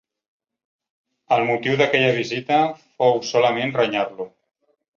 El motiu d'aquella visita fou solament renyar-lo.